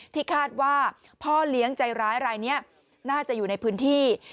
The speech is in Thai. ที่คาดว่าพ่อเลี้ยงใจร้ายรายนี้น่าจะอยู่ในพื้นที่